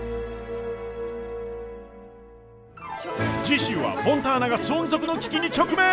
次週はフォンターナが存続の危機に直面！